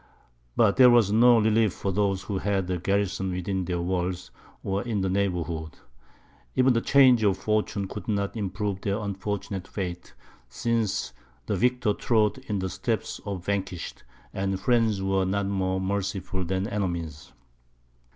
But there was no relief for those who had a garrison within their walls, or in the neighbourhood; even the change of fortune could not improve their unfortunate fate, since the victor trod in the steps of the vanquished, and friends were not more merciful than enemies.